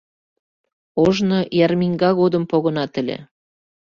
Ожно ярминга годым погынат ыле.